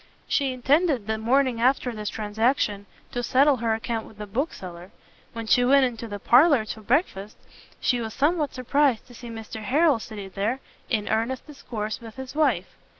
She intended the morning after this transaction to settle her account with the bookseller. When she went into the parlour to breakfast, she was somewhat surprised to see Mr Harrel seated there, in earnest discourse with his wife.